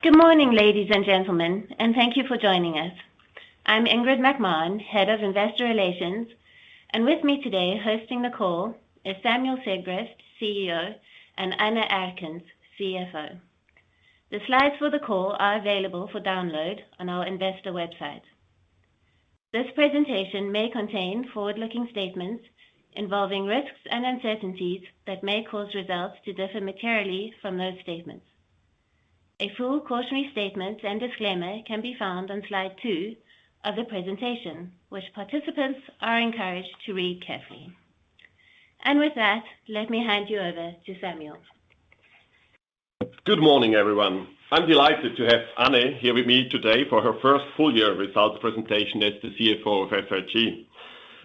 Good morning, ladies and gentlemen, and thank you for joining us. I'm Ingrid McMahon, Head of Investor Relations, and with me today hosting the call is Samuel Sigrist, CEO, and Ann-Kristin Erkens, CFO. The slides for the call are available for download on our investor website. This presentation may contain forward-looking statements involving risks and uncertainties that may cause results to differ materially from those statements. A full cautionary statement and disclaimer can be found on slide two of the presentation, which participants are encouraged to read carefully. With that, let me hand you over to Samuel. Good morning, everyone. I'm delighted to have Ann here with me today for her first full-year results presentation as the CFO of SIG.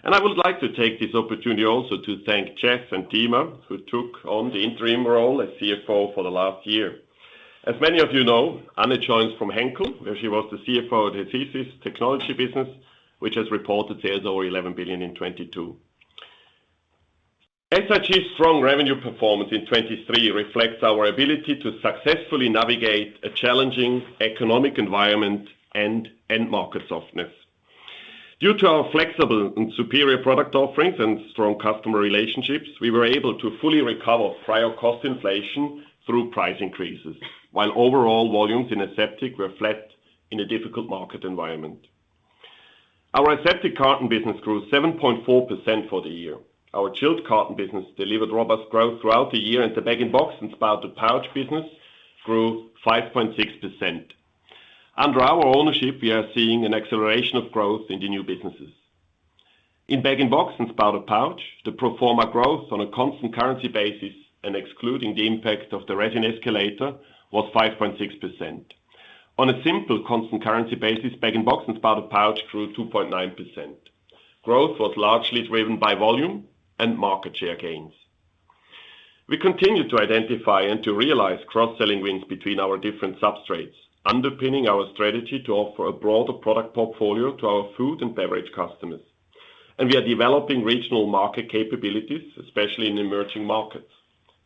And I would like to take this opportunity also to thank Jens and Timo, who took on the interim role as CFO for the last year. As many of you know, Ann joins from Henkel, where she was the CFO of the Adhesive Technologies business, which has reported sales over 11 billion in 2022. SIG's strong revenue performance in 2023 reflects our ability to successfully navigate a challenging economic environment and end-market softness. Due to our flexible and superior product offerings and strong customer relationships, we were able to fully recover prior cost inflation through price increases, while overall volumes in aseptic were flat in a difficult market environment. Our aseptic carton business grew 7.4% for the year. Our chilled carton business delivered robust growth throughout the year, and the bag-in-box and spouted pouch business grew 5.6%. Under our ownership, we are seeing an acceleration of growth in the new businesses. In bag-in-box and spouted pouch, the pro forma growth on a constant currency basis and excluding the impact of the resin escalator was 5.6%. On a simple constant currency basis, bag-in-box and spouted pouch grew 2.9%. Growth was largely driven by volume and market share gains. We continue to identify and to realize cross-selling wins between our different substrates, underpinning our strategy to offer a broader product portfolio to our food and beverage customers. We are developing regional market capabilities, especially in emerging markets.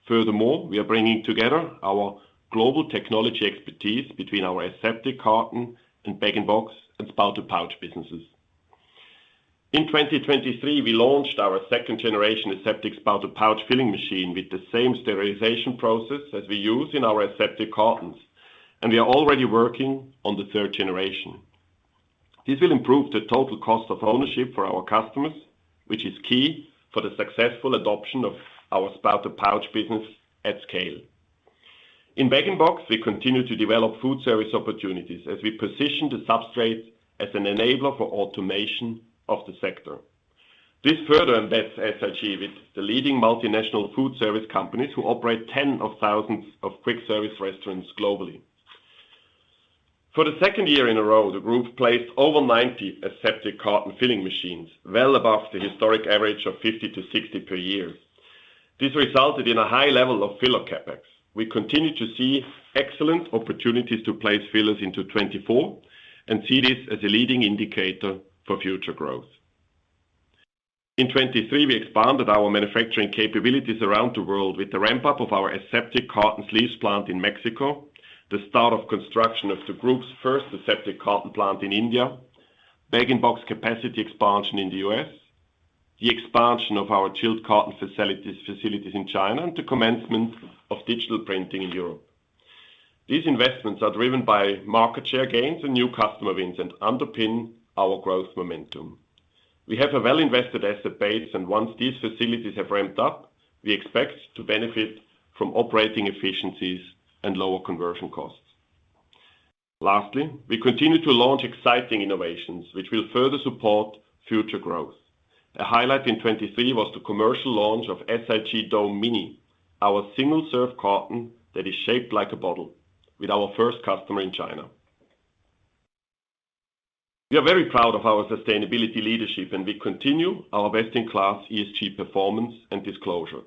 Furthermore, we are bringing together our global technology expertise between our aseptic carton and bag-in-box and spouted pouch businesses. In 2023, we launched our second-generation aseptic spouted pouch filling machine with the same sterilization process as we use in our aseptic cartons, and we are already working on the third generation. This will improve the total cost of ownership for our customers, which is key for the successful adoption of our spouted pouch business at scale. In bag-in-box, we continue to develop food service opportunities as we position the substrate as an enabler for automation of the sector. This further embeds SIG with the leading multinational food service companies who operate tens of thousands of quick-service restaurants globally. For the second year in a row, the group placed over 90 aseptic carton filling machines, well above the historic average of 50-60 per year. This resulted in a high level of filler CapEx. We continue to see excellent opportunities to place fillers into 2024 and see this as a leading indicator for future growth. In 2023, we expanded our manufacturing capabilities around the world with the ramp-up of our Aseptic carton sleeves plant in Mexico, the start of construction of the group's first Aseptic carton plant in India, bag-in-box capacity expansion in the U.S., the expansion of our chilled carton facilities in China, and the commencement of digital printing in Europe. These investments are driven by market share gains and new customer wins and underpin our growth momentum. We have a well-invested asset base, and once these facilities have ramped up, we expect to benefit from operating efficiencies and lower conversion costs. Lastly, we continue to launch exciting innovations, which will further support future growth. A highlight in 2023 was the commercial launch of SIG Dome Mini, our single-serve carton that is shaped like a bottle, with our first customer in China. We are very proud of our sustainability leadership, and we continue our best-in-class ESG performance and disclosure.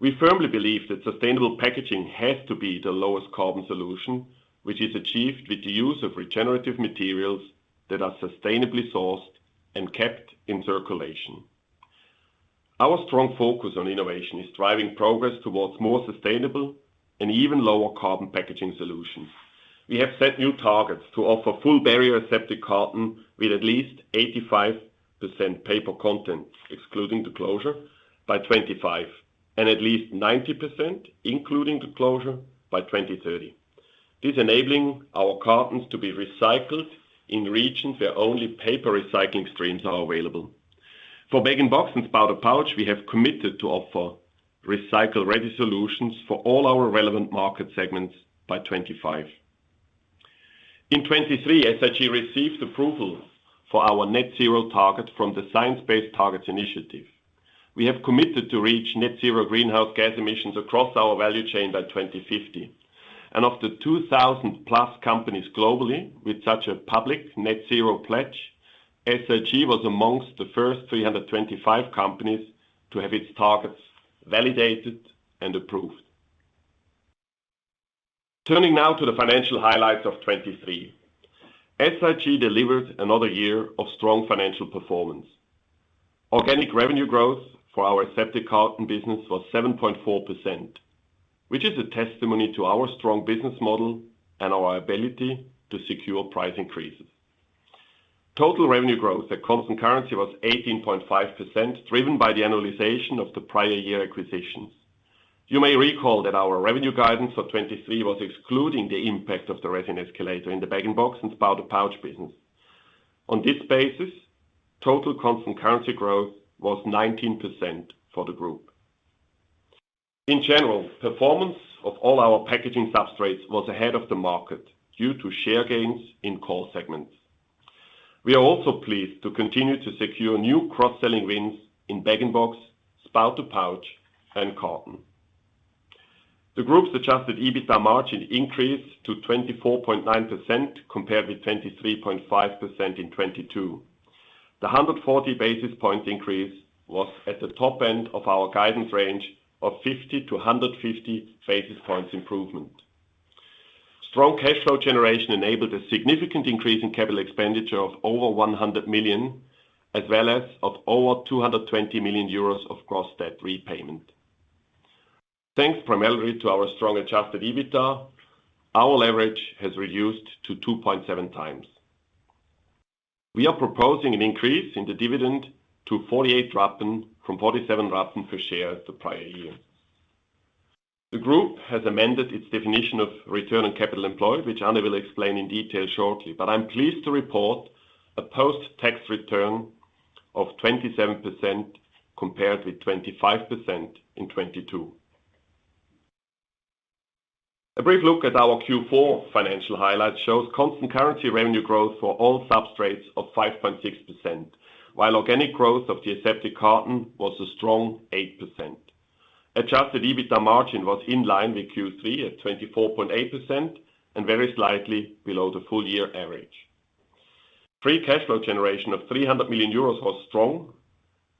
We firmly believe that sustainable packaging has to be the lowest carbon solution, which is achieved with the use of regenerative materials that are sustainably sourced and kept in circulation. Our strong focus on innovation is driving progress towards more sustainable and even lower carbon packaging solutions. We have set new targets to offer full-barrier aseptic carton with at least 85% paper content, excluding the closure, by 2025, and at least 90%, including the closure, by 2030, this enabling our cartons to be recycled in regions where only paper recycling streams are available. For bag-in-box and spout-to-pouch, we have committed to offer recycle-ready solutions for all our relevant market segments by 2025. In 2023, SIG received approval for our net-zero target from the Science Based Targets initiative. We have committed to reach net-zero greenhouse gas emissions across our value chain by 2050. And of the 2,000+ companies globally with such a public net-zero pledge, SIG was amongst the first 325 companies to have its targets validated and approved. Turning now to the financial highlights of 2023, SIG delivered another year of strong financial performance. Organic revenue growth for our Aseptic carton business was 7.4%, which is a testimony to our strong business model and our ability to secure price increases. Total revenue growth at constant currency was 18.5%, driven by the annualization of the prior year acquisitions. You may recall that our revenue guidance for 2023 was excluding the impact of the resin escalator in the bag-in-box and spout-to-pouch business. On this basis, total constant currency growth was 19% for the group. In general, performance of all our packaging substrates was ahead of the market due to share gains in core segments. We are also pleased to continue to secure new cross-selling wins in bag-in-box, spout-to-pouch, and carton. The group's Adjusted EBITDA margin increased to 24.9% compared with 23.5% in 2022. The 140 basis points increase was at the top end of our guidance range of 50-150 basis points improvement. Strong cash flow generation enabled a significant increase in capital expenditure of over 100 million, as well as of over 220 million euros of gross debt repayment. Thanks primarily to our strong Adjusted EBITDA, our leverage has reduced to 2.7x. We are proposing an increase in the dividend to 0.48 from 0.47 per share the prior year. The group has amended its definition of return on capital employed, which Ann will explain in detail shortly, but I'm pleased to report a post-tax return of 27% compared with 25% in 2022. A brief look at our Q4 financial highlights shows constant currency revenue growth for all substrates of 5.6%, while organic growth of the aseptic carton was a strong 8%. Adjusted EBITDA margin was in line with Q3 at 24.8% and very slightly below the full-year average. Free cash flow generation of 300 million euros was strong,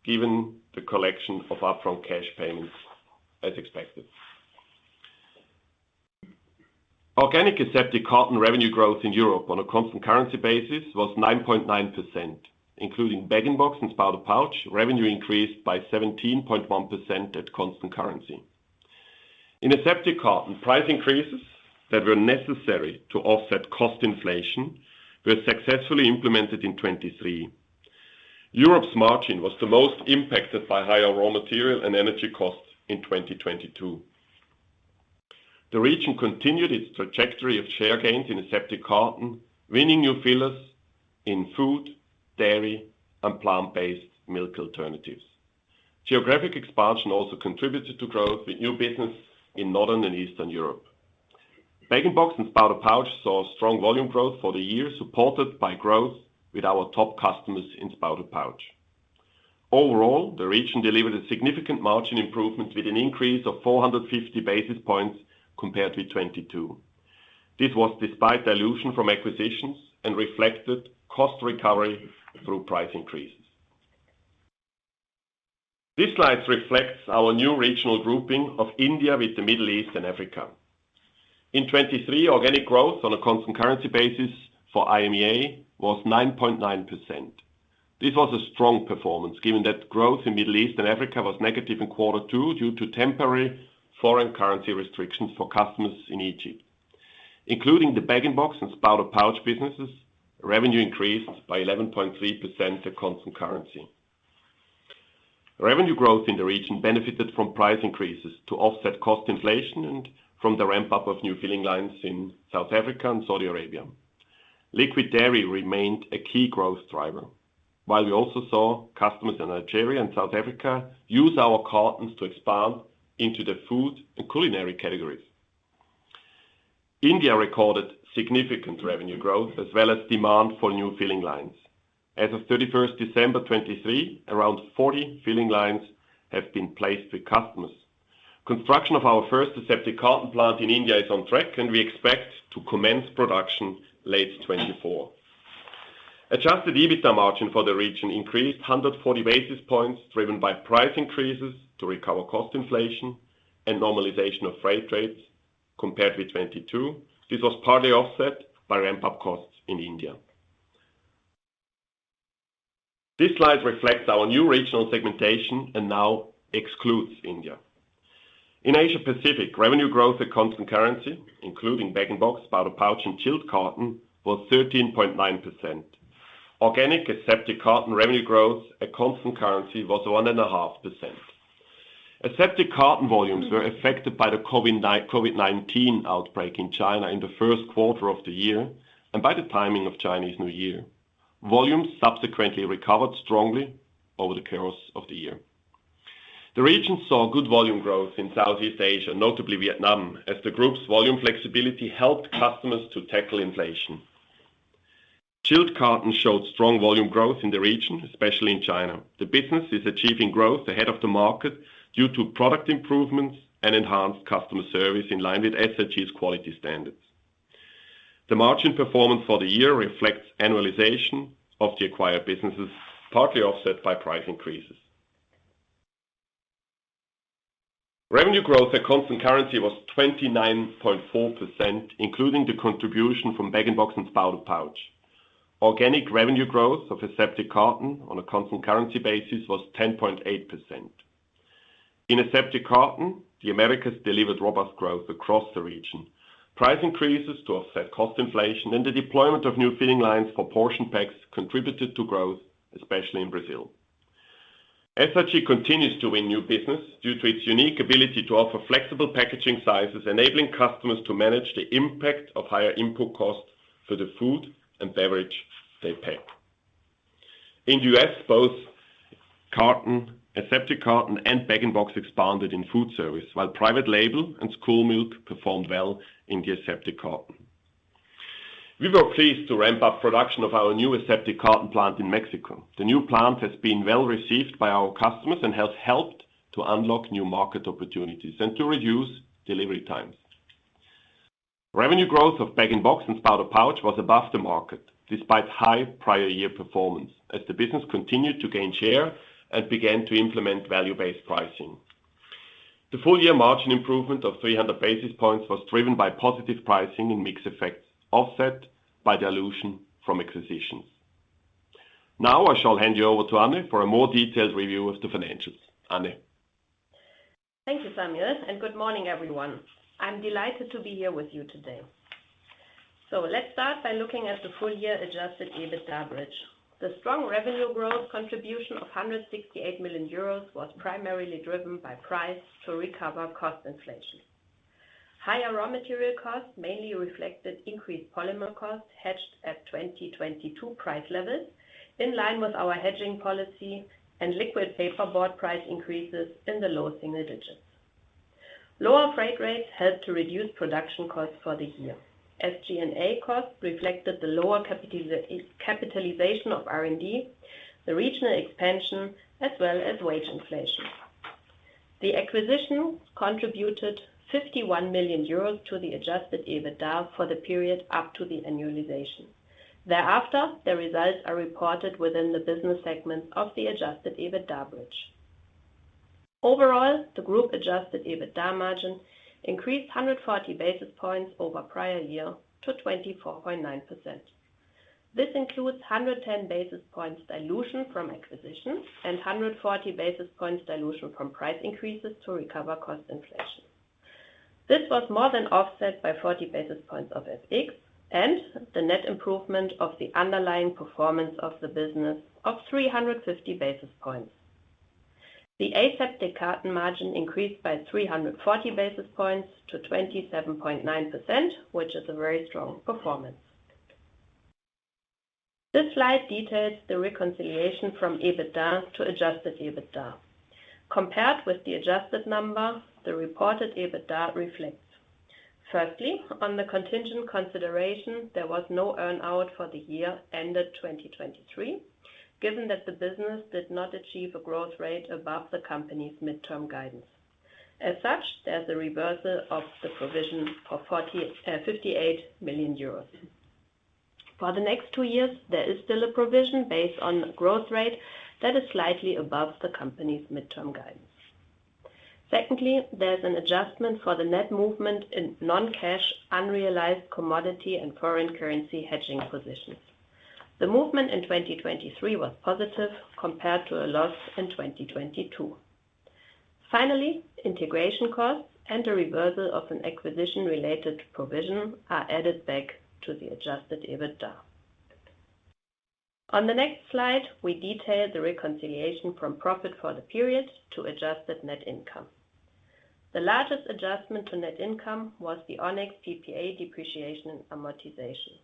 given the collection of upfront cash payments as expected. Organic aseptic carton revenue growth in Europe on a constant currency basis was 9.9%. Including bag-in-box and spout-to-pouch, revenue increased by 17.1% at constant currency. In Aseptic carton, price increases that were necessary to offset cost inflation were successfully implemented in 2023. Europe's margin was the most impacted by higher raw material and energy costs in 2022. The region continued its trajectory of share gains in Aseptic carton, winning new fillers in food, dairy, and plant-based milk alternatives. Geographic expansion also contributed to growth with new business in northern and eastern Europe. Bag-in-box and spout-to-pouch saw strong volume growth for the year, supported by growth with our top customers in spout-to-pouch. Overall, the region delivered a significant margin improvement with an increase of 450 basis points compared with 2022. This was despite dilution from acquisitions and reflected cost recovery through price increases. These slides reflect our new regional grouping of India with the Middle East and Africa. In 2023, organic growth on a constant currency basis for IMEA was 9.9%. This was a strong performance, given that growth in Middle East and Africa was negative in quarter two due to temporary foreign currency restrictions for customers in Egypt. Including the bag-in-box and spout-to-pouch businesses, revenue increased by 11.3% at constant currency. Revenue growth in the region benefited from price increases to offset cost inflation and from the ramp-up of new filling lines in South Africa and Saudi Arabia. Liquid dairy remained a key growth driver, while we also saw customers in Nigeria and South Africa use our cartons to expand into the food and culinary categories. India recorded significant revenue growth as well as demand for new filling lines. As of 31st December 2023, around 40 filling lines have been placed with customers. Construction of our first aseptic carton plant in India is on track, and we expect to commence production late 2024. Adjusted EBITDA margin for the region increased 140 basis points, driven by price increases to recover cost inflation and normalization of freight rates compared with 2022. This was partly offset by ramp-up costs in India. These slides reflect our new regional segmentation and now exclude India. In Asia-Pacific, revenue growth at constant currency, including bag-in-box, spout-to-pouch, and chilled carton, was 13.9%. Organic Aseptic carton revenue growth at constant currency was 1.5%. Aseptic carton volumes were affected by the COVID-19 outbreak in China in the first quarter of the year and by the timing of Chinese New Year. Volumes subsequently recovered strongly over the course of the year. The region saw good volume growth in Southeast Asia, notably Vietnam, as the group's volume flexibility helped customers to tackle inflation. Chilled carton showed strong volume growth in the region, especially in China. The business is achieving growth ahead of the market due to product improvements and enhanced customer service in line with SIG's quality standards. The margin performance for the year reflects annualization of the acquired businesses, partly offset by price increases. Revenue growth at constant currency was 29.4%, including the contribution from bag-in-box and spout-to-pouch. Organic revenue growth of aseptic carton on a constant currency basis was 10.8%. In aseptic carton, the Americas delivered robust growth across the region. Price increases to offset cost inflation and the deployment of new filling lines for portion packs contributed to growth, especially in Brazil. SIG continues to win new business due to its unique ability to offer flexible packaging sizes, enabling customers to manage the impact of higher input costs for the food and beverage they pack. In the U.S., both aseptic carton and bag-in-box expanded in food service, while private label and school milk performed well in the aseptic carton. We were pleased to ramp up production of our new aseptic carton plant in Mexico. The new plant has been well received by our customers and has helped to unlock new market opportunities and to reduce delivery times. Revenue growth of bag-in-box and spout-to-pouch was above the market despite high prior-year performance, as the business continued to gain share and began to implement value-based pricing. The full-year margin improvement of 300 basis points was driven by positive pricing in mixed effects, offset by dilution from acquisitions. Now I shall hand you over to Ann-Kristin for a more detailed review of the financials. Ann-Kristin. Thank you, Samuel. And good morning, everyone. I'm delighted to be here with you today. So let's start by looking at the full-year Adjusted EBITDA bridge. The strong revenue growth contribution of 168 million euros was primarily driven by price to recover cost inflation. Higher raw material costs mainly reflected increased polymer costs hedged at 2022 price levels, in line with our hedging policy, and liquid paperboard price increases in the low single digits. Lower freight rates helped to reduce production costs for the year. SG&A costs reflected the lower capitalization of R&D, the regional expansion, as well as wage inflation. The acquisitions contributed 51 million euros to the Adjusted EBITDA for the period up to the annualization. Thereafter, the results are reported within the business segments of the Adjusted EBITDA bridge. Overall, the group Adjusted EBITDA margin increased 140 basis points over prior year to 24.9%. This includes 110 basis points dilution from acquisitions and 140 basis points dilution from price increases to recover cost inflation. This was more than offset by 40 basis points of FX and the net improvement of the underlying performance of the business of 350 basis points. The aseptic carton margin increased by 340 basis points to 27.9%, which is a very strong performance. This slide details the reconciliation from EBITDA to adjusted EBITDA. Compared with the adjusted number, the reported EBITDA reflects, firstly, on the contingent consideration, there was no earnout for the year ended 2023, given that the business did not achieve a growth rate above the company's midterm guidance. As such, there's a reversal of the provision for 58 million euros. For the next two years, there is still a provision based on growth rate that is slightly above the company's midterm guidance. Secondly, there's an adjustment for the net movement in non-cash, unrealized commodity, and foreign currency hedging positions. The movement in 2023 was positive compared to a loss in 2022. Finally, integration costs and a reversal of an acquisition-related provision are added back to the Adjusted EBITDA. On the next slide, we detail the reconciliation from profit for the period to adjusted net income. The largest adjustment to net income was the Onex PPA depreciation amortization.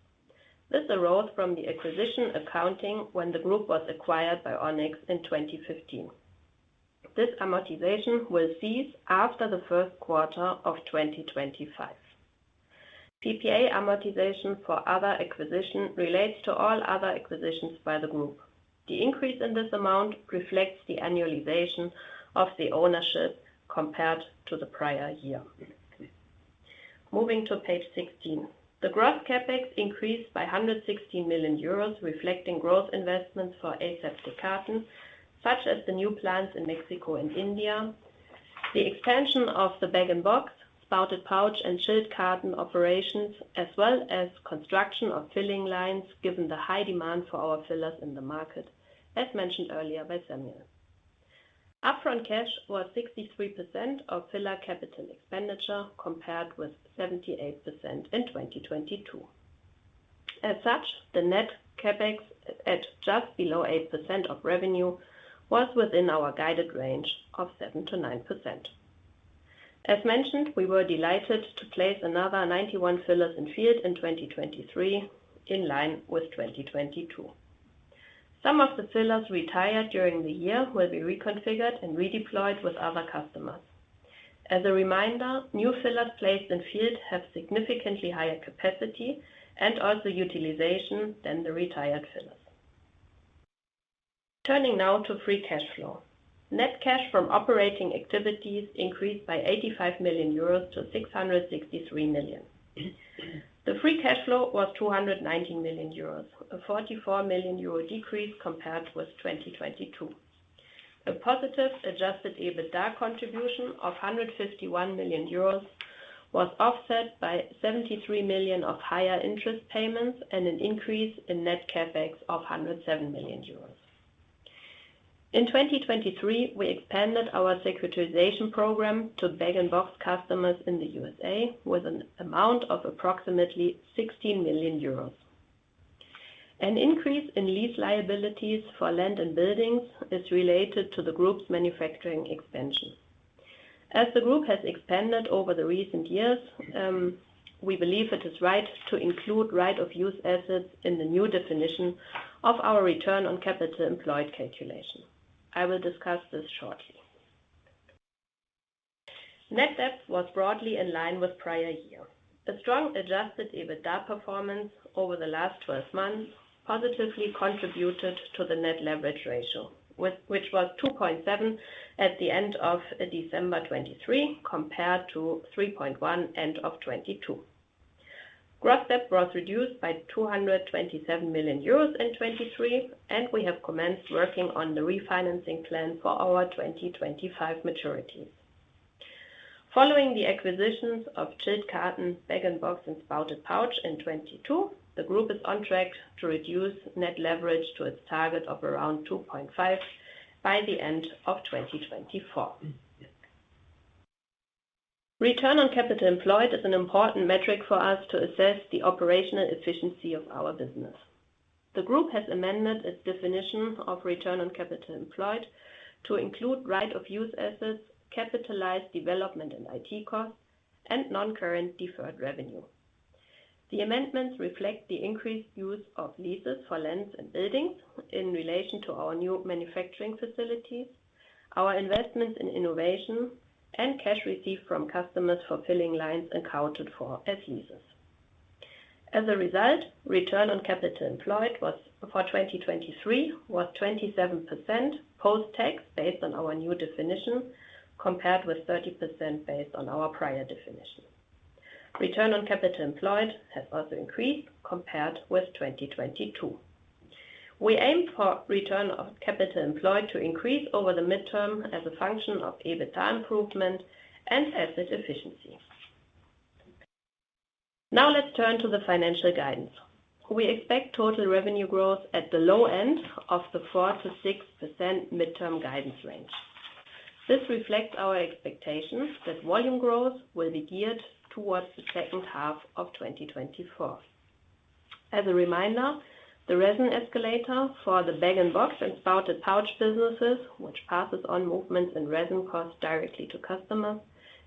This arose from the acquisition accounting when the group was acquired by Onex in 2015. This amortization will cease after the first quarter of 2025. PPA amortization for other acquisitions relates to all other acquisitions by the group. The increase in this amount reflects the annualization of the ownership compared to the prior year. Moving to page 16. The gross CapEx increased by 116 million euros, reflecting growth investments for aseptic carton, such as the new plants in Mexico and India, the expansion of the bag-in-box, spout-to-pouch, and chilled carton operations, as well as construction of filling lines given the high demand for our fillers in the market, as mentioned earlier by Samuel. Upfront cash was 63% of filler capital expenditure compared with 78% in 2022. As such, the net CapEx at just below 8% of revenue was within our guided range of 7%-9%. As mentioned, we were delighted to place another 91 fillers in field in 2023 in line with 2022. Some of the fillers retired during the year will be reconfigured and redeployed with other customers. As a reminder, new fillers placed in field have significantly higher capacity and also utilization than the retired fillers. Turning now to free cash flow. Net cash from operating activities increased by 85 million euros to 663 million. The free cash flow was 219 million euros, a 44 million euro decrease compared with 2022. A positive adjusted EBITDA contribution of 151 million euros was offset by 73 million of higher interest payments and an increase in net CapEx of 107 million euros. In 2023, we expanded our securitization program to bag-in-box customers in the U.S.A. with an amount of approximately 16 million euros. An increase in lease liabilities for land and buildings is related to the group's manufacturing expansion. As the group has expanded over the recent years, we believe it is right to include right-of-use assets in the new definition of our return on capital employed calculation. I will discuss this shortly. Net debt was broadly in line with prior year. A strong Adjusted EBITDA performance over the last 12 months positively contributed to the net leverage ratio, which was 2.7 at the end of December 2023 compared to 3.1 end of 2022. Gross debt was reduced by 227 million euros in 2023, and we have commenced working on the refinancing plan for our 2025 maturities. Following the acquisitions of chilled carton, bag-in-box, and spout-to-pouch in 2022, the group is on track to reduce net leverage to its target of around 2.5 by the end of 2024. Return on capital employed is an important metric for us to assess the operational efficiency of our business. The group has amended its definition of return on capital employed to include right-of-use assets, capitalized development and IT costs, and non-current deferred revenue. The amendments reflect the increased use of leases for lands and buildings in relation to our new manufacturing facilities, our investments in innovation, and cash received from customers for filling lines accounted for as leases. As a result, return on capital employed for 2023 was 27% post-tax based on our new definition compared with 30% based on our prior definition. Return on capital employed has also increased compared with 2022. We aim for return on capital employed to increase over the midterm as a function of EBITDA improvement and asset efficiency. Now let's turn to the financial guidance. We expect total revenue growth at the low end of the 4%-6% midterm guidance range. This reflects our expectations that volume growth will be geared towards the second half of 2024. As a reminder, the resin escalator for the bag-in-box and spout-to-pouch businesses, which passes on movements in resin costs directly to customers,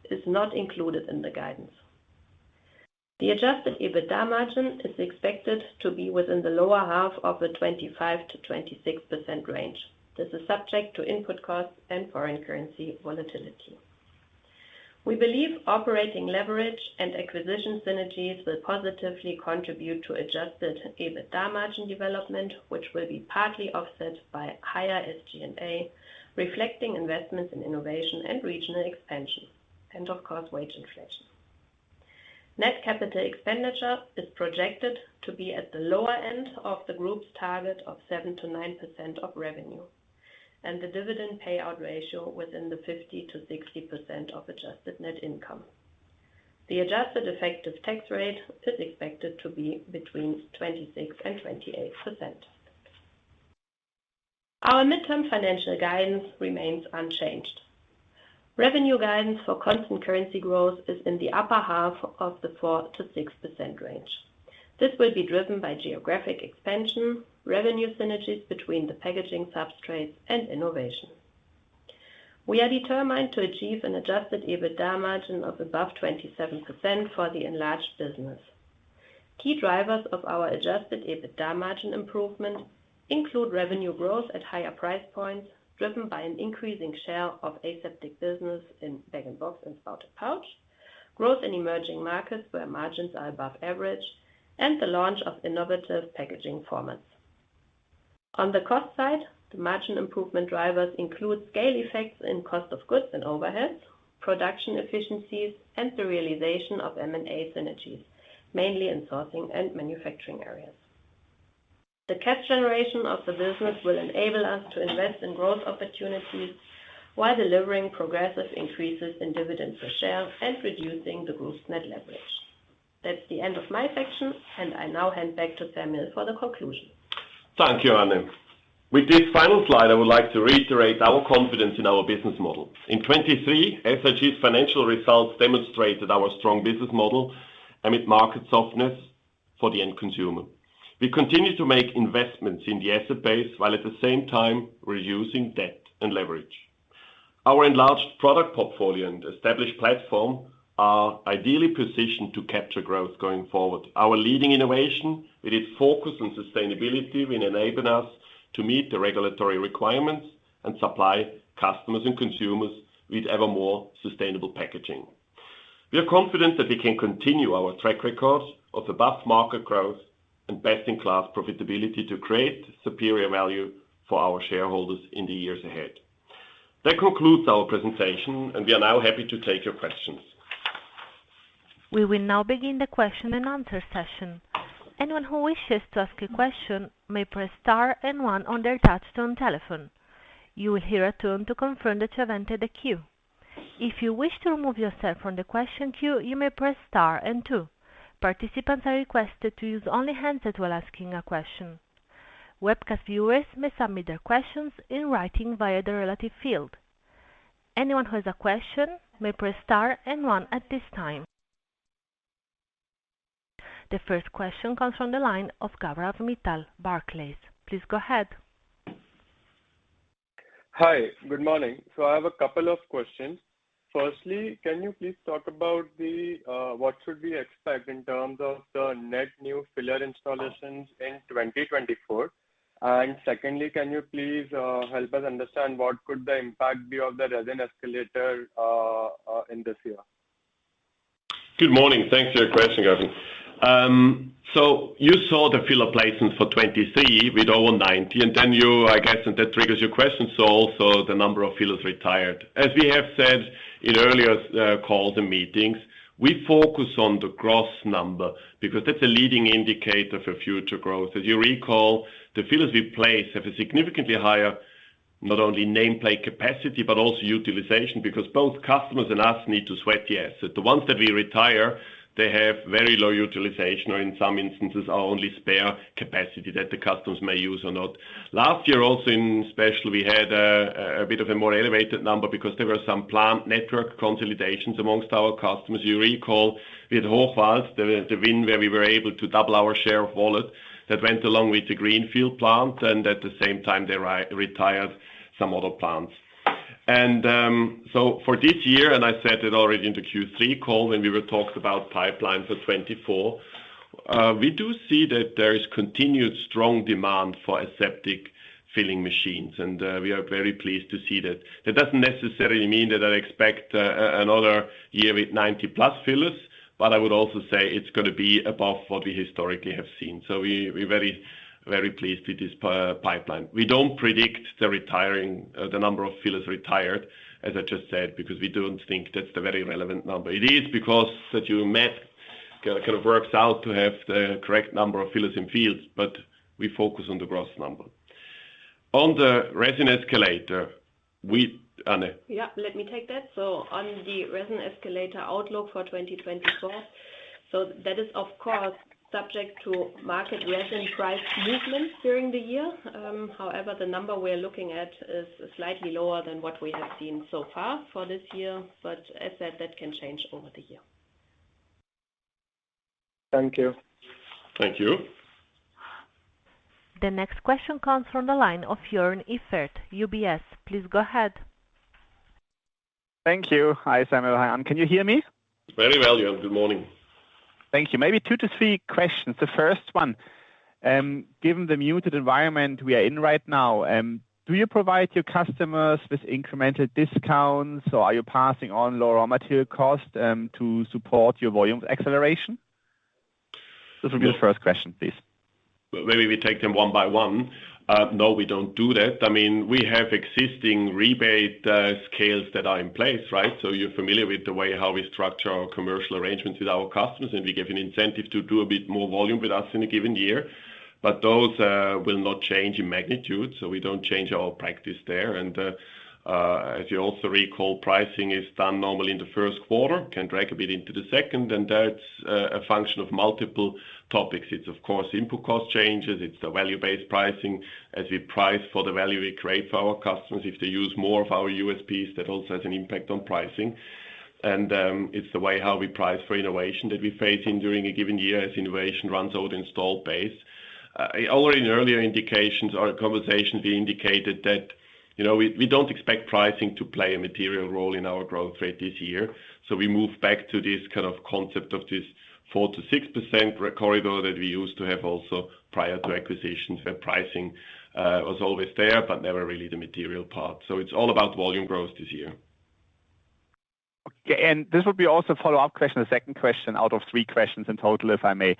is not included in the guidance. The adjusted EBITDA margin is expected to be within the lower half of the 25%-26% range. This is subject to input costs and foreign currency volatility. We believe operating leverage and acquisition synergies will positively contribute to adjusted EBITDA margin development, which will be partly offset by higher SG&A, reflecting investments in innovation and regional expansion, and of course, wage inflation. Net capital expenditure is projected to be at the lower end of the group's target of 7%-9% of revenue and the dividend payout ratio within the 50%-60% of adjusted net income. The adjusted effective tax rate is expected to be between 26%-28%. Our midterm financial guidance remains unchanged. Revenue guidance for constant currency growth is in the upper half of the 4%-6% range. This will be driven by geographic expansion, revenue synergies between the packaging substrates, and innovation. We are determined to achieve an adjusted EBITDA margin of above 27% for the enlarged business. Key drivers of our adjusted EBITDA margin improvement include revenue growth at higher price points driven by an increasing share of aseptic business in bag-in-box and spout-to-pouch, growth in emerging markets where margins are above average, and the launch of innovative packaging formats. On the cost side, the margin improvement drivers include scale effects in cost of goods and overheads, production efficiencies, and the realization of M&A synergies, mainly in sourcing and manufacturing areas. The cash generation of the business will enable us to invest in growth opportunities while delivering progressive increases in dividend per share and reducing the group's net leverage. That's the end of my section, and I now hand back to Samuel for the conclusion. Thank you, Ann. With this final slide, I would like to reiterate our confidence in our business model. In 2023, SIG's financial results demonstrated our strong business model amid market softness for the end consumer. We continue to make investments in the asset base while at the same time reducing debt and leverage. Our enlarged product portfolio and established platform are ideally positioned to capture growth going forward. Our leading innovation with its focus on sustainability will enable us to meet the regulatory requirements and supply customers and consumers with ever more sustainable packaging. We are confident that we can continue our track record of above-market growth and best-in-class profitability to create superior value for our shareholders in the years ahead. That concludes our presentation, and we are now happy to take your questions. We will now begin the question and answer session. Anyone who wishes to ask a question may press star and one on their touch-tone telephone. You will hear a tone to confirm that you have entered the queue. If you wish to remove yourself from the question queue, you may press star and two. Participants are requested to use only handset while asking a question. Webcast viewers may submit their questions in writing via the relevant field. Anyone who has a question may press star and one at this time. The first question comes from the line of Gaurav Jain, Barclays. Please go ahead. Hi. Good morning. So I have a couple of questions. Firstly, can you please talk about what should we expect in terms of the net new filler installations in 2024? And secondly, can you please help us understand what could the impact be of the resin escalator in this year? Good morning. Thanks for your question, Gaurav. So you saw the filler placements for 2023 with over 90, and then I guess that triggers your question as well as the number of fillers retired. As we have said in earlier calls and meetings, we focus on the gross number because that's a leading indicator for future growth. As you recall, the fillers we place have a significantly higher not only nameplate capacity but also utilization because both customers and us need to sweat the asset. The ones that we retire, they have very low utilization or in some instances are only spare capacity that the customers may use or not. Last year, especially, we had a bit of a more elevated number because there were some plant network consolidations among our customers. You recall with Hochwald, the win where we were able to double our share of wallet that went along with the greenfield plant and at the same time, they retired some other plants. So for this year, and I said it already in the Q3 call when we were talking about pipeline for 2024, we do see that there is continued strong demand for aseptic filling machines, and we are very pleased to see that. That doesn't necessarily mean that I expect another year with 90+ fillers, but I would also say it's going to be above what we historically have seen. So we're very, very pleased with this pipeline. We don't predict the number of fillers retired, as I just said, because we don't think that's a very relevant number. It is because the net kind of works out to have the correct number of fillers in fields, but we focus on the gross number. On the resin escalator, Ann. Yeah. Let me take that. So on the resin escalator outlook for 2024, so that is, of course, subject to market resin price movements during the year. However, the number we are looking at is slightly lower than what we have seen so far for this year, but as said, that can change over the year. Thank you. Thank you. The next question comes from the line of Jörn Iffert, UBS. Please go ahead. Thank you. Hi, Samuel. Can you hear me? Very well, Jörn. Good morning. Thank you. Maybe two to three questions. The first one, given the muted environment we are in right now, do you provide your customers with incremental discounts, or are you passing on low raw material costs to support your volume acceleration? This will be the first question, please. Maybe we take them one by one. No, we don't do that. I mean, we have existing rebate scales that are in place, right? So you're familiar with the way how we structure our commercial arrangements with our customers, and we give an incentive to do a bit more volume with us in a given year. But those will not change in magnitude, so we don't change our practice there. And as you also recall, pricing is done normally in the first quarter, can drag a bit into the second, and that's a function of multiple topics. It's, of course, input cost changes. It's the value-based pricing. As we price for the value we create for our customers, if they use more of our USPs, that also has an impact on pricing. And it's the way how we price for innovation that we face during a given year as innovation runs out of installed base. Already in earlier indications or conversations, we indicated that we don't expect pricing to play a material role in our growth rate this year. So we move back to this kind of concept of this 4%-6% corridor that we used to have also prior to acquisitions where pricing was always there but never really the material part. So it's all about volume growth this year. Okay. And this would be also a follow-up question, the second question out of three questions in total, if I may.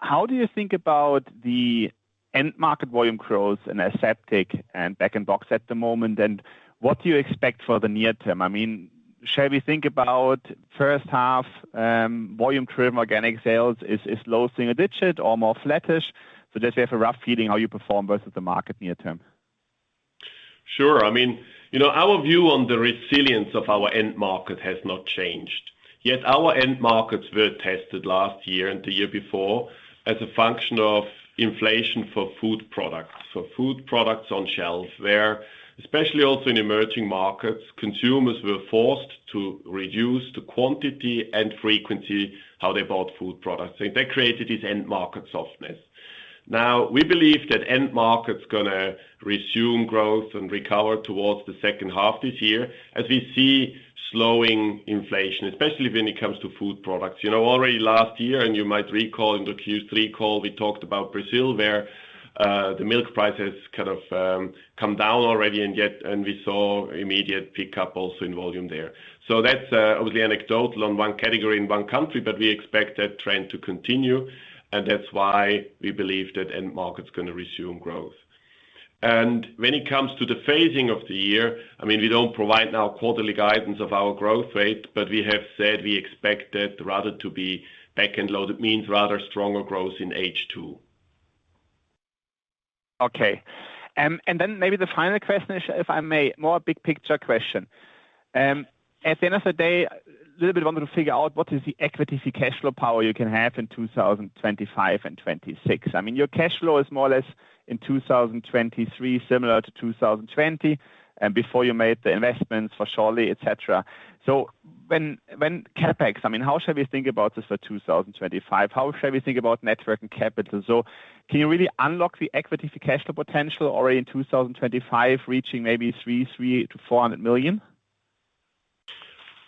How do you think about the end-market volume growth in aseptic and bag-in-box at the moment, and what do you expect for the near term? I mean, shall we think about first-half volume-driven organic sales is low single digit or more flattish so that we have a rough feeling how you perform versus the market near term? Sure. I mean, our view on the resilience of our end market has not changed. Yet our end markets were tested last year and the year before as a function of inflation for food products, for food products on shelf where, especially also in emerging markets, consumers were forced to reduce the quantity and frequency how they bought food products. And that created this end-market softness. Now, we believe that end market's going to resume growth and recover towards the second half this year as we see slowing inflation, especially when it comes to food products. Already last year, and you might recall in the Q3 call, we talked about Brazil where the milk price has kind of come down already, and we saw immediate pickup also in volume there. So that's obviously anecdotal on one category in one country, but we expect that trend to continue, and that's why we believe that end market's going to resume growth. And when it comes to the phasing of the year, I mean, we don't provide now quarterly guidance of our growth rate, but we have said we expect that rather to be back-end loaded means rather stronger growth in H2. Okay. And then maybe the final question, if I may, more a big picture question. At the end of the day, a little bit wanted to figure out what is the equity cash flow power you can have in 2025 and 2026. I mean, your cash flow is more or less in 2023 similar to 2020 before you made the investments for Scholle, etc. So when CapEx, I mean, how shall we think about this for 2025? How shall we think about working capital? So can you really unlock the equity cash flow potential already in 2025 reaching maybe 300 million-400 million?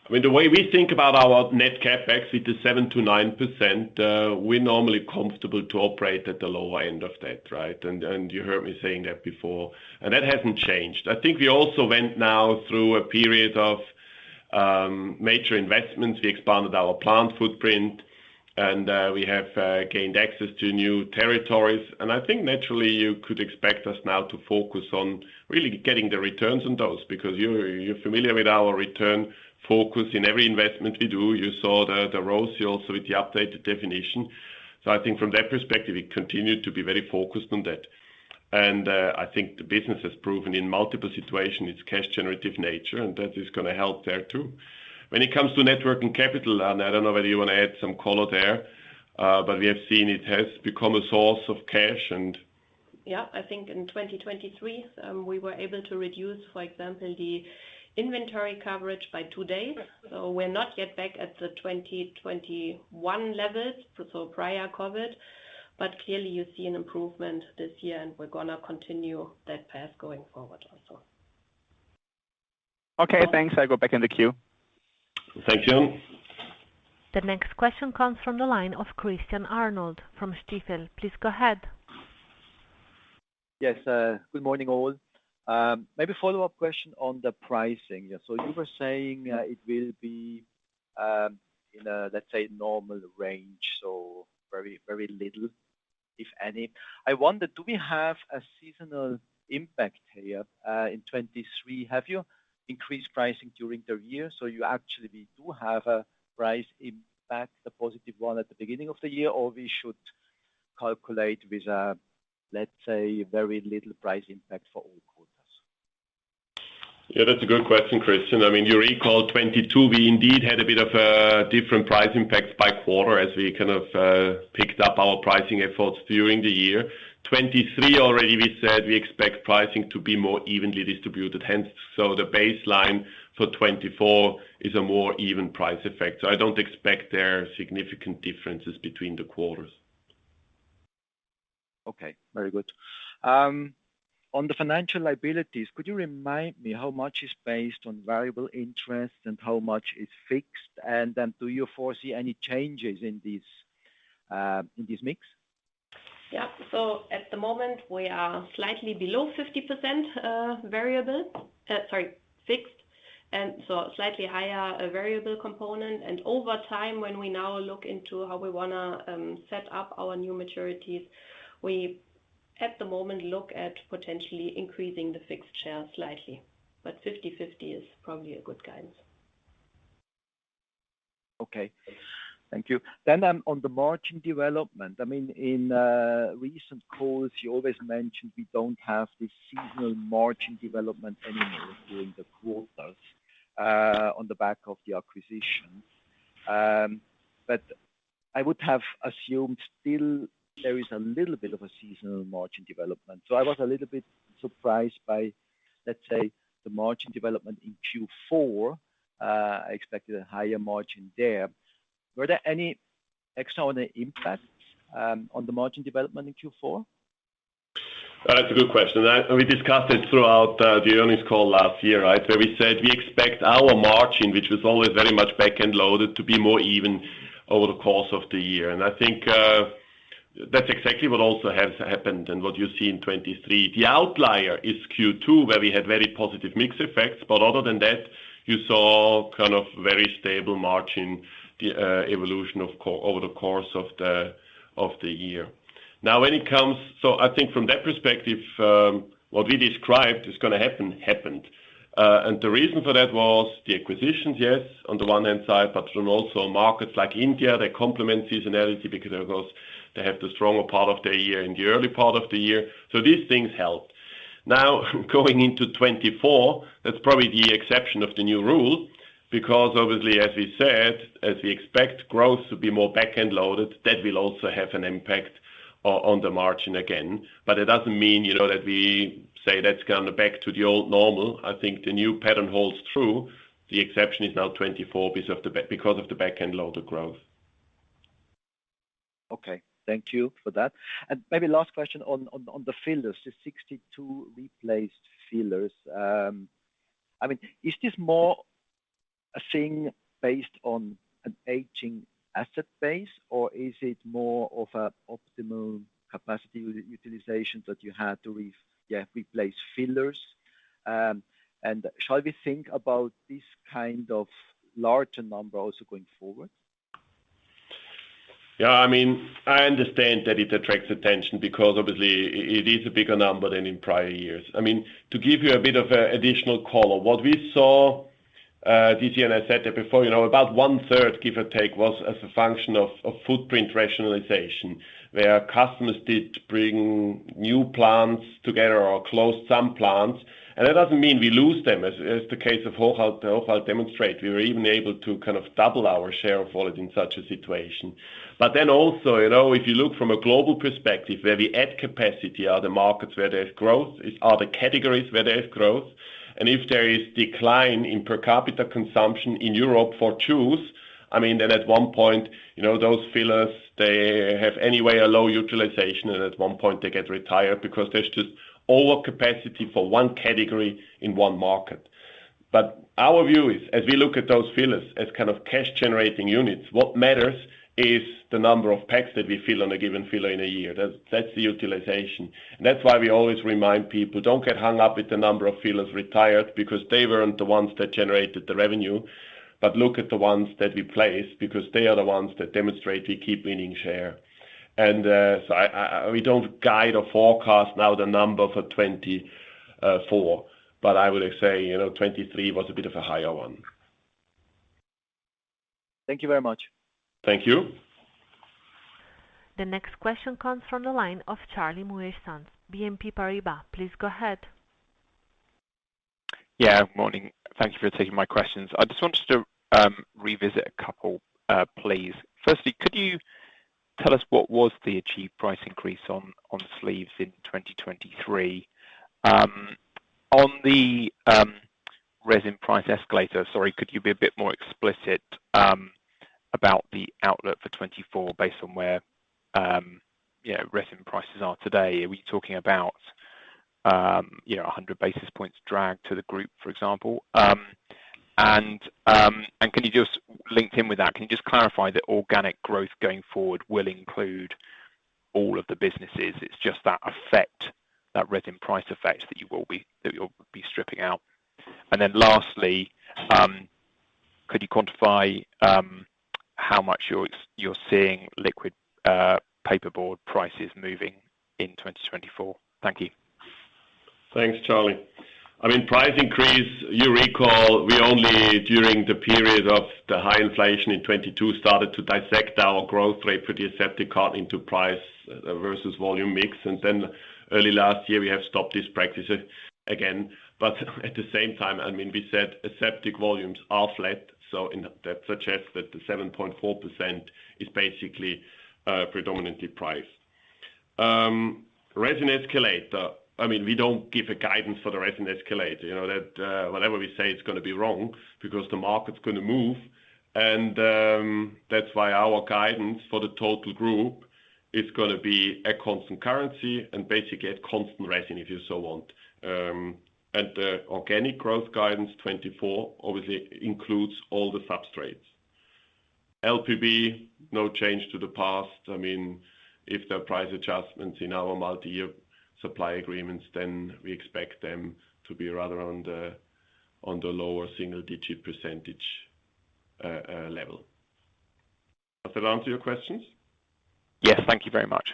I mean, the way we think about our net CapEx with the 7%-9%, we're normally comfortable to operate at the lower end of that, right? And you heard me saying that before, and that hasn't changed. I think we also went now through a period of major investments. We expanded our plant footprint, and we have gained access to new territories. And I think naturally, you could expect us now to focus on really getting the returns on those because you're familiar with our return focus in every investment we do. You saw the ROCE also with the updated definition. So I think from that perspective, we continue to be very focused on that. And I think the business has proven in multiple situations its cash-generative nature, and that is going to help there too. When it comes to net working capital, Ann, I don't know whether you want to add some color there, but we have seen it has become a source of cash. And. Yeah. I think in 2023, we were able to reduce, for example, the inventory coverage by two days. So we're not yet back at the 2021 levels, so prior COVID. But clearly, you see an improvement this year, and we're going to continue that path going forward also. Okay. Thanks. I go back in the queue. Thank you. The next question comes from the line of Christian Arnold from Stifel. Please go ahead. Yes. Good morning, all. Maybe follow-up question on the pricing. So you were saying it will be in, let's say, normal range, so very, very little, if any. I wonder, do we have a seasonal impact here in 2023? Have you increased pricing during the year? So you actually do have a price impact, the positive one, at the beginning of the year, or we should calculate with, let's say, very little price impact for all quarters? Yeah. That's a good question, Christian. I mean, you recall 2022, we indeed had a bit of a different price impacts by quarter as we kind of picked up our pricing efforts during the year. 2023, already, we said we expect pricing to be more evenly distributed. Hence, so the baseline for 2024 is a more even price effect. So I don't expect there are significant differences between the quarters. Okay. Very good. On the financial liabilities, could you remind me how much is based on variable interest and how much is fixed? And then do you foresee any changes in this mix? Yeah. So at the moment, we are slightly below 50% variable sorry, fixed, and so slightly higher variable component. And over time, when we now look into how we want to set up our new maturities, we at the moment look at potentially increasing the fixed share slightly. But 50/50 is probably a good guidance. Okay. Thank you. Then on the margin development, I mean, in recent calls, you always mentioned we don't have this seasonal margin development anymore during the quarters on the back of the acquisitions. But I would have assumed still there is a little bit of a seasonal margin development. So I was a little bit surprised by, let's say, the margin development in Q4. I expected a higher margin there. Were there any extraordinary impacts on the margin development in Q4? That's a good question. And we discussed it throughout the earnings call last year, right, where we said we expect our margin, which was always very much back-end loaded, to be more even over the course of the year. And I think that's exactly what also has happened and what you see in 2023. The outlier is Q2 where we had very positive mix effects. But other than that, you saw kind of very stable margin evolution over the course of the year. Now, when it comes so I think from that perspective, what we described is going to happen, happened. And the reason for that was the acquisitions, yes, on the one-hand side, but then also markets like India, they complement seasonality because they have the stronger part of their year in the early part of the year. So these things helped. Now, going into 2024, that's probably the exception of the new rule because obviously, as we said, as we expect growth to be more back-end loaded, that will also have an impact on the margin again. But it doesn't mean that we say that's going back to the old normal. I think the new pattern holds true. The exception is now 2024 because of the back-end loader growth. Okay. Thank you for that. And maybe last question on the fillers, the 62 replaced fillers. I mean, is this more a thing based on an aging asset base, or is it more of an optimal capacity utilization that you had to, yeah, replace fillers? And shall we think about this kind of larger number also going forward? Yeah. I mean, I understand that it attracts attention because obviously, it is a bigger number than in prior years. I mean, to give you a bit of additional color, what we saw this year, and I said that before, about one-third, give or take, was as a function of footprint rationalization where customers did bring new plants together or closed some plants. And that doesn't mean we lose them, as the case of Hochwald demonstrated. We were even able to kind of double our share of volume in such a situation. But then also, if you look from a global perspective where we add capacity, are the markets where there's growth? Are the categories where there's growth? And if there is decline in per capita consumption in Europe for juice, I mean, then at one point, those fillers, they have anyway a low utilization, and at one point, they get retired because there's just overcapacity for one category in one market. But our view is, as we look at those fillers as kind of cash-generating units, what matters is the number of packs that we fill on a given filler in a year. That's the utilization. And that's why we always remind people, "Don't get hung up with the number of fillers retired because they weren't the ones that generated the revenue, but look at the ones that we placed because they are the ones that demonstrate we keep winning share." And so we don't guide or forecast now the number for 2024, but I would say 2023 was a bit of a higher one. Thank you very much. Thank you. The next question comes from the line of Charlie Shah, BNP Paribas. Please go ahead. Yeah. Good morning. Thank you for taking my questions. I just wanted to revisit a couple, please. Firstly, could you tell us what was the achieved price increase on sleeves in 2023? On the resin price escalator, sorry, could you be a bit more explicit about the outlook for 2024 based on where resin prices are today? Are we talking about 100 basis points drag to the group, for example? And can you just link it in with that, can you just clarify that organic growth going forward will include all of the businesses? It's just that resin price effect that you will be stripping out. And then lastly, could you quantify how much you're seeing liquid paperboard prices moving in 2024? Thank you. Thanks, Charlie. I mean, price increase, you recall, we only during the period of the high inflation in 2022 started to dissect our growth rate for the aseptic carton into price versus volume mix. And then early last year, we have stopped this practice again. But at the same time, I mean, we said aseptic volumes are flat. So that suggests that the 7.4% is basically predominantly price. Resin escalator, I mean, we don't give a guidance for the resin escalator. Whatever we say, it's going to be wrong because the market's going to move. And that's why our guidance for the total group is going to be a constant currency and basically a constant resin, if you so want. And the organic growth guidance 2024 obviously includes all the substrates. LPB, no change to the past. I mean, if there are price adjustments in our multi-year supply agreements, then we expect them to be rather on the lower single-digit % level. Does that answer your questions? Yes. Thank you very much.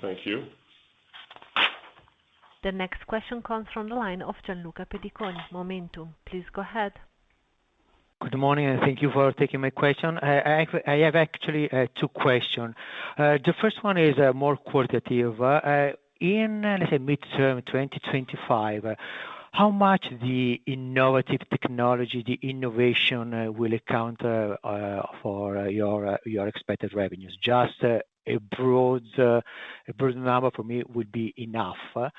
Thank you. The next question comes from the line of Gianluca Pediconi, MOMentum. Please go ahead. Good morning. Thank you for taking my question. I have actually two questions. The first one is more qualitative. In, let's say, mid-term 2025, how much the innovative technology, the innovation will account for your expected revenues? Just a broad number for me would be enough.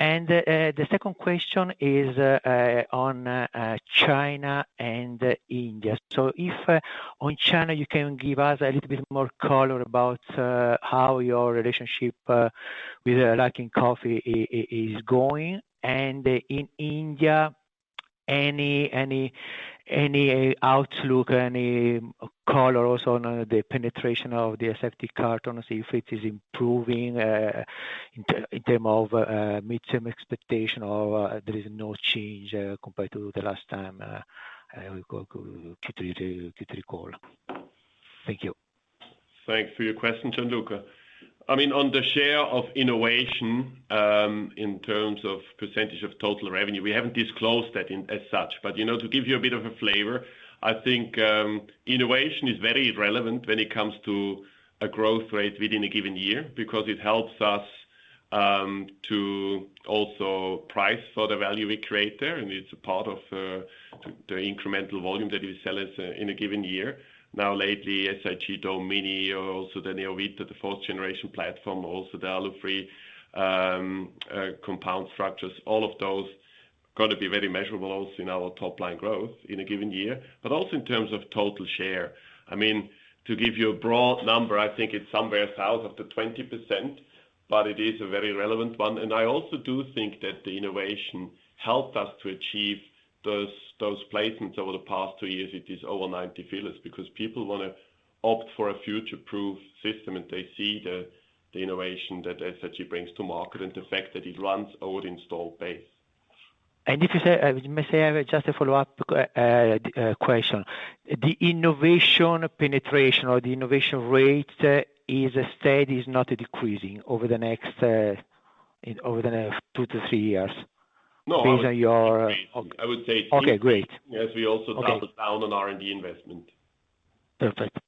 And the second question is on China and India. So if on China, you can give us a little bit more color about how your relationship with Luckin Coffee is going. And in India, any outlook, any color also on the penetration of the aseptic carton, see if it is improving in terms of mid-term expectation or there is no change compared to the last time I could recall. Thank you. Thanks for your question, Gianluca. I mean, on the share of innovation in terms of percentage of total revenue, we haven't disclosed that as such. But to give you a bit of a flavor, I think innovation is very relevant when it comes to a growth rate within a given year because it helps us to also price for the value we create there. It's a part of the incremental volume that we sell in a given year. Now lately, SIG Dome Mini, also the SIG Neo, the fourth-generation platform, also the alu-free compound structures, all of those got to be very measurable also in our top-line growth in a given year. But also in terms of total share, I mean, to give you a broad number, I think it's somewhere south of the 20%, but it is a very relevant one. And I also do think that the innovation helped us to achieve those placements over the past two years. It is over 90 fillers because people want to opt for a future-proof system, and they see the innovation that SIG brings to market and the fact that it runs over the installed base. And may I say just a follow-up question? The innovation penetration or the innovation rate is steady, is not decreasing over the next two to three years based on your? No, I would say it's steady. Okay. Great. Yes. We also doubled down on R&D investment. Perfect.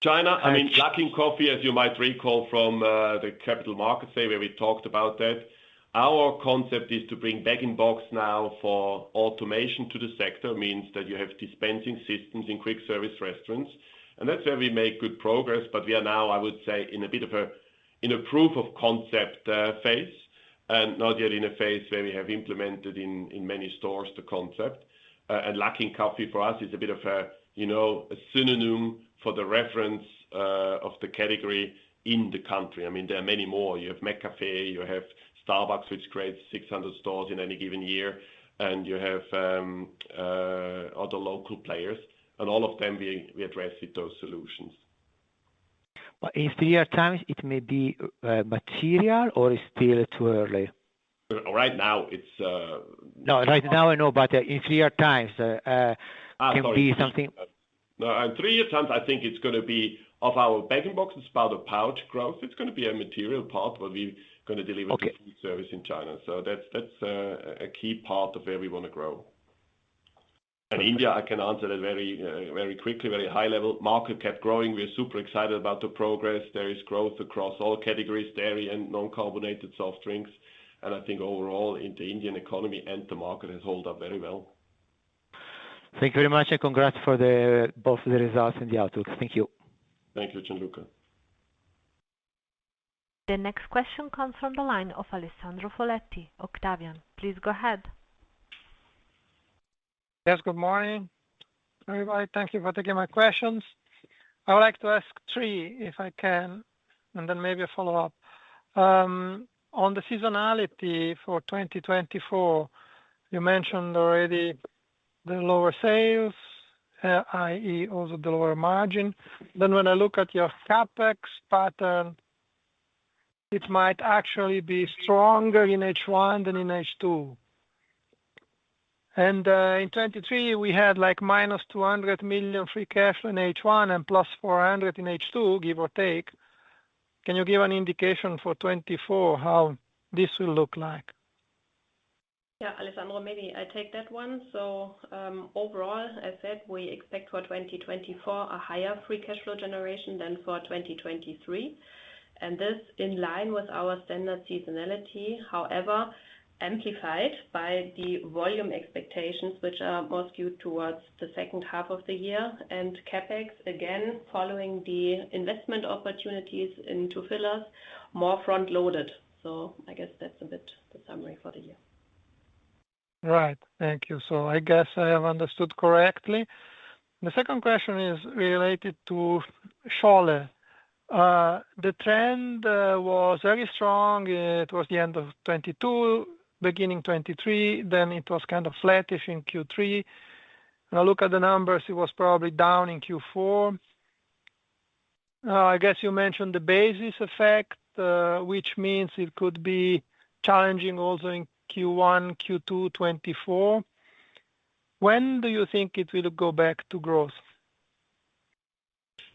China, I mean, Luckin Coffee, as you might recall from the Capital Markets Day where we talked about that, our concept is to bring bag-in-box now for automation to the sector. Means that you have dispensing systems in quick-service restaurants. And that's where we make good progress. But we are now, I would say, in a bit of a proof-of-concept phase and not yet in a phase where we have implemented in many stores the concept. And Luckin Coffee for us is a bit of a synonym for the reference of the category in the country. I mean, there are many more. You have McCafé. You have Starbucks, which creates 600 stores in any given year. You have other local players. All of them, we address with those solutions. But in three-year times, it may be material, or is it still too early? Right now, it's not. No, right now, I know. But in three-year times, it can be something. No, in three-year times, I think it's going to be of our bag-in-box. It's about the pouch growth. It's going to be a material part where we're going to deliver the food service in China. So that's a key part of where we want to grow. India, I can answer that very quickly, very high-level. Market kept growing. We are super excited about the progress. There is growth across all categories, dairy and non-carbonated soft drinks. I think overall, the Indian economy and the market has held up very well. Thank you very much, and congrats for both the results and the outlook. Thank you. Thank you, Gianluca. The next question comes from the line of Alessandro Foletti, Octavian. Please go ahead. Yes. Good morning, everybody. Thank you for taking my questions. I would like to ask three, if I can, and then maybe a follow-up. On the seasonality for 2024, you mentioned already the lower sales, i.e., also the lower margin. Then when I look at your CapEx pattern, it might actually be stronger in H1 than in H2. And in 2023, we had -200 million free cash flow in H1 and +400 million in H2, give or take. Can you give an indication for 2024 how this will look like? Yeah. Alessandro, maybe I take that one. So overall, as said, we expect for 2024 a higher free cash flow generation than for 2023. This is in line with our standard seasonality, however, amplified by the volume expectations, which are more skewed towards the second half of the year. CapEx, again, following the investment opportunities into fillers, more front-loaded. I guess that's a bit the summary for the year. Right. Thank you. I guess I have understood correctly. The second question is related to Scholle. The trend was very strong. It was the end of 2022, beginning 2023. Then it was kind of flattish in Q3. When I look at the numbers, it was probably down in Q4. I guess you mentioned the basis effect, which means it could be challenging also in Q1, Q2, 2024. When do you think it will go back to growth?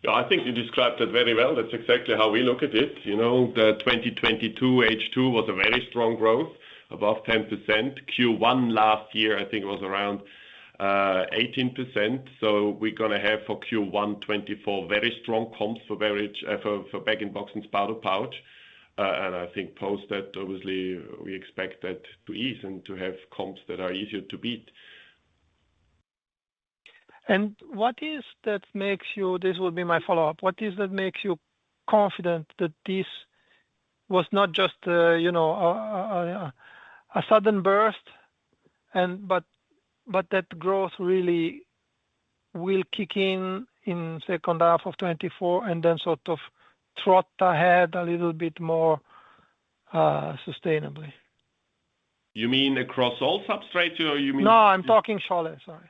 Yeah. I think you described that very well. That's exactly how we look at it. The 2022 H2 was a very strong growth, above 10%. Q1 last year, I think it was around 18%. So we're going to have for Q1 2024, very strong comps for bag-in-box and spout-to-pouch. And I think post that, obviously, we expect that to ease and to have comps that are easier to beat. And what is that makes you this would be my follow-up. What is that makes you confident that this was not just a sudden burst, but that growth really will kick in in second half of 2024 and then sort of trot ahead a little bit more sustainably? You mean across all substrates, or you mean? No, I'm talking Scholle. Sorry.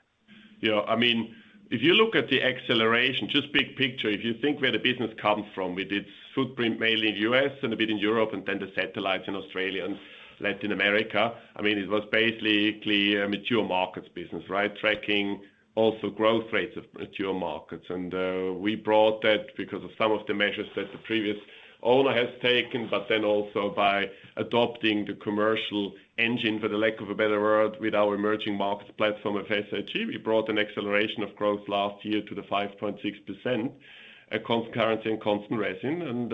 Yeah. I mean, if you look at the acceleration, just big picture, if you think where the business comes from, with its footprint mainly in the U.S. and a bit in Europe and then the satellites in Australia and Latin America, I mean, it was basically a mature markets business, right, tracking also growth rates of mature markets. And we brought that because of some of the measures that the previous owner has taken, but then also by adopting the commercial engine, for the lack of a better word, with our emerging markets platform of SIG, we brought an acceleration of growth last year to the 5.6%, a constant currency and constant resin. And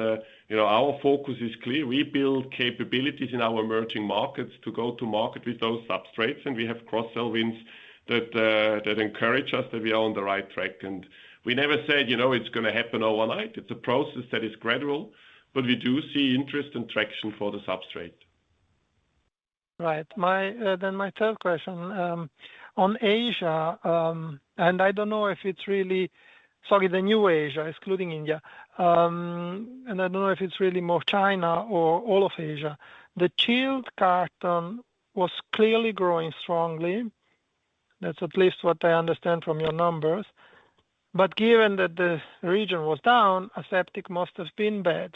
our focus is clear. We build capabilities in our emerging markets to go to market with those substrates. And we have cross-selling wins that encourage us that we are on the right track. We never said it's going to happen overnight. It's a process that is gradual. But we do see interest and traction for the substrate. Right. My third question. On Asia, and I don't know if it's really sorry, the new Asia, excluding India. I don't know if it's really more China or all of Asia. The chilled carton was clearly growing strongly. That's at least what I understand from your numbers. But given that the region was down, aseptic must have been bad.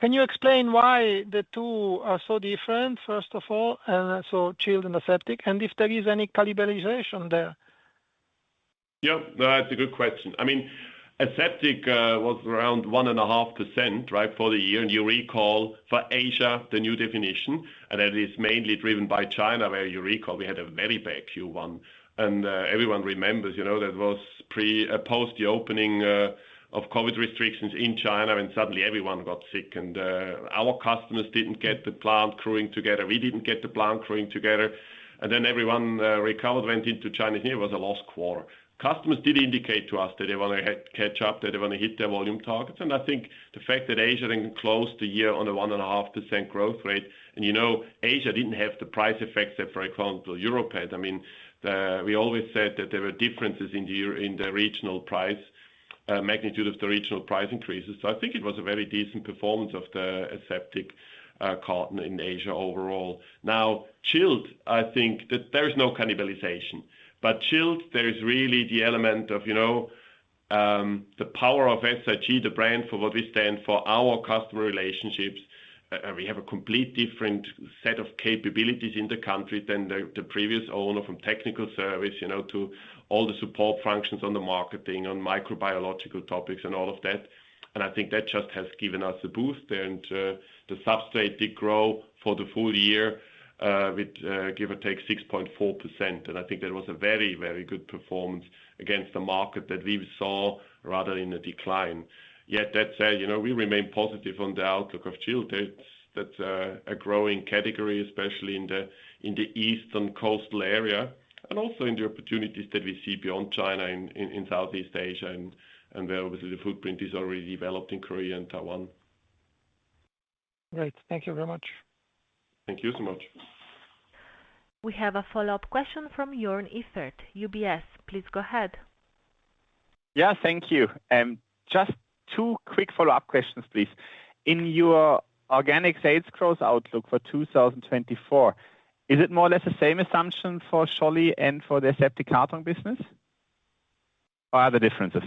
Can you explain why the two are so different, first of all, so chilled and aseptic, and if there is any cannibalization there? Yeah. That's a good question. I mean, aseptic was around 1.5%, right, for the year. You recall for Asia, the new definition, and that is mainly driven by China where you recall we had a very bad Q1. Everyone remembers that was post the opening of COVID restrictions in China when suddenly everyone got sick. Our customers didn't get the plant crewing together. We didn't get the plant crewing together. Then everyone recovered, went into Chinese New Year. It was a lost quarter. Customers did indicate to us that they want to catch up, that they want to hit their volume targets. I think the fact that Asia then closed the year on a 1.5% growth rate, and Asia didn't have the price effects that, for example, Europe had. I mean, we always said that there were differences in the regional price, magnitude of the regional price increases. So I think it was a very decent performance of the aseptic carton in Asia overall. Now, chilled, I think that there is no cannibalization. But chilled, there is really the element of the power of SIG, the brand for what we stand for, our customer relationships. We have a complete different set of capabilities in the country than the previous owner from technical service to all the support functions on the marketing, on microbiological topics, and all of that. And I think that just has given us a boost there. And the substrate did grow for the full year with, give or take, 6.4%. And I think that was a very, very good performance against the market that we saw rather in a decline. Yet that said, we remain positive on the outlook of chilled. That's a growing category, especially in the eastern coastal area and also in the opportunities that we see beyond China in Southeast Asia. And there, obviously, the footprint is already developed in Korea and Taiwan. Great. Thank you very much. Thank you so much. We have a follow-up question from Jörn Iffert, UBS. Please go ahead. Yeah. Thank you. Just two quick follow-up questions, please. In your organic sales growth outlook for 2024, is it more or less the same assumption for Scholle and for the aseptic carton business, or are there differences?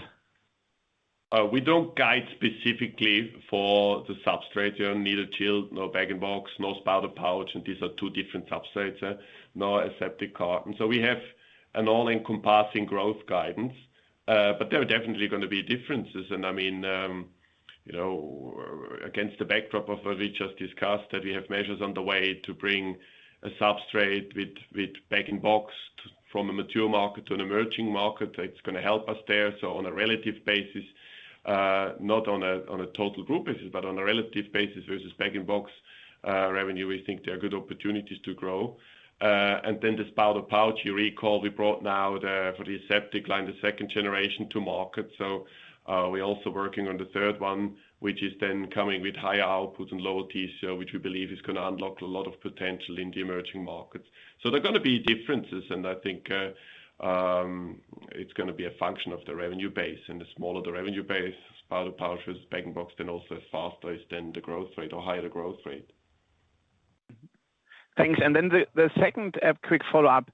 We don't guide specifically for the substrate. You don't need a chilled, no bag-in-box, no spout-to-pouch. And these are two different substrates, no aseptic carton. So we have an all-encompassing growth guidance. But there are definitely going to be differences. And I mean, against the backdrop of what we just discussed, that we have measures on the way to bring a substrate with bag-in-box from a mature market to an emerging market, it's going to help us there. So on a relative basis, not on a total group basis, but on a relative basis versus bag-in-box revenue, we think there are good opportunities to grow. And then the spout-to-pouch, you recall, we brought now for the aseptic line, the second generation, to market. So we're also working on the third one, which is then coming with higher outputs and lower TCO, which we believe is going to unlock a lot of potential in the emerging markets. So there are going to be differences. And I think it's going to be a function of the revenue base. And the smaller the revenue base, spout-to-pouch versus bag-in-box, then also as fast as then the growth rate or higher the growth rate. Thanks. And then the second quick follow-up.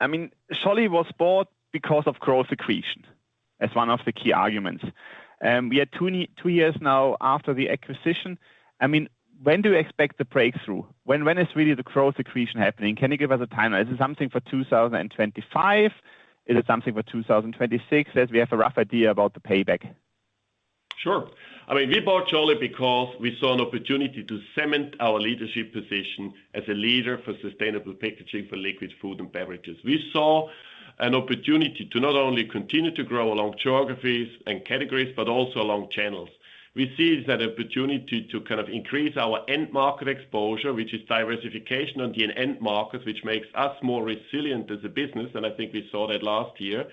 I mean, Scholle was bought because of growth accretion as one of the key arguments. We are two years now after the acquisition. I mean, when do you expect the breakthrough? When is really the growth accretion happening? Can you give us a timeline? Is it something for 2025? Is it something for 2026 as we have a rough idea about the payback? Sure. I mean, we bought Scholle because we saw an opportunity to cement our leadership position as a leader for sustainable packaging for liquid food and beverages. We saw an opportunity to not only continue to grow along geographies and categories, but also along channels. We see that opportunity to kind of increase our end-market exposure, which is diversification in the end-markets, which makes us more resilient as a business. I think we saw that last year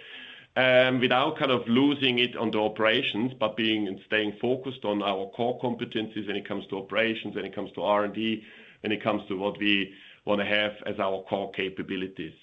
without kind of losing it on the operations, but being and staying focused on our core competencies when it comes to operations, when it comes to R&D, when it comes to what we want to have as our core capabilities.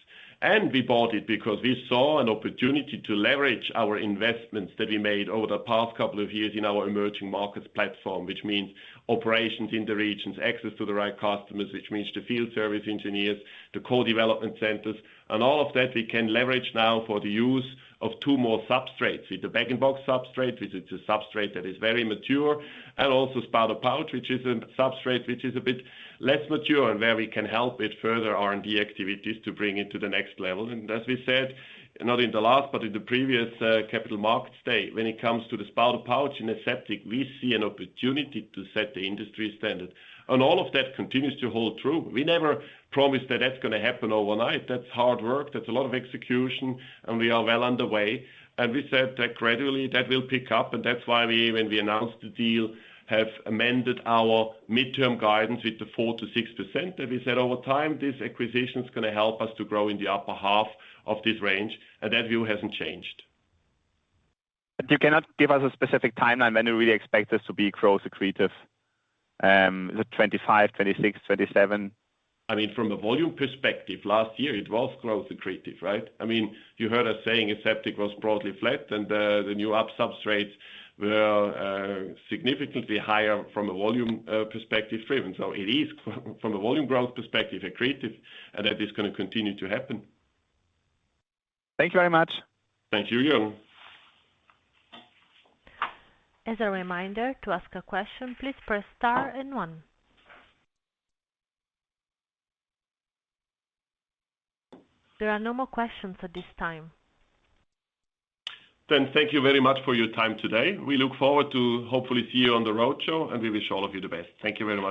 We bought it because we saw an opportunity to leverage our investments that we made over the past couple of years in our emerging markets platform, which means operations in the regions, access to the right customers, which means the field service engineers, the co-development centers. And all of that, we can leverage now for the use of two more substrates, with the bag-in-box substrate, which is a substrate that is very mature, and also spout-to-pouch, which is a substrate which is a bit less mature and where we can help with further R&D activities to bring it to the next level. And as we said, not in the last, but in the previous capital markets day, when it comes to the spout-to-pouch in aseptic, we see an opportunity to set the industry standard. And all of that continues to hold true. We never promised that that's going to happen overnight. That's hard work. That's a lot of execution. And we are well underway. And we said that gradually, that will pick up. That's why we, when we announced the deal, have amended our midterm guidance with the 4%-6% that we said over time, this acquisition is going to help us to grow in the upper half of this range. That view hasn't changed. You cannot give us a specific timeline when you really expect this to be growth accretive. Is it 2025, 2026, 2027? I mean, from a volume perspective, last year, it was growth accretive, right? I mean, you heard us saying aseptic was broadly flat, and the new substrates were significantly higher from a volume perspective driven. It is, from a volume growth perspective, accretive, and that is going to continue to happen. Thank you very much. Thank you, Jörn. As a reminder to ask a question, please press star and one. There are no more questions at this time. Thank you very much for your time today. We look forward to hopefully see you on the roadshow, and we wish all of you the best. Thank you very much.